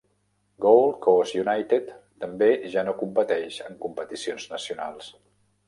Gold Coast United també ja no competeix en competicions nacionals.